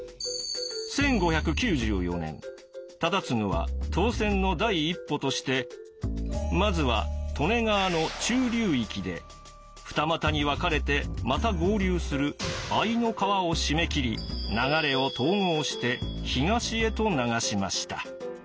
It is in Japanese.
１５９４年忠次は東遷の第一歩としてまずは利根川の中流域で二股に分かれてまた合流する会の川を閉めきり流れを統合して東へと流しました。